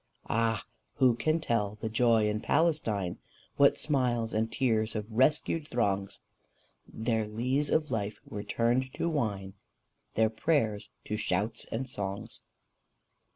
Ah! who can tell the joy in Palestine What smiles and tears of rescued throngs! Their lees of life were turned to wine, Their prayers to shouts and songs!